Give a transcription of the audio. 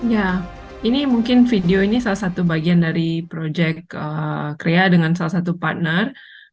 ya ini mungkin video ini salah satu bagian dari project krea dengan salah satu partner